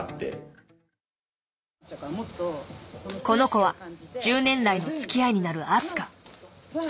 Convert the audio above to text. この子は１０年来のつきあいになるＡｓｕｋａ。